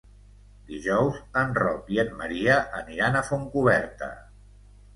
Dijous en Roc i en Maria aniran a Fontcoberta.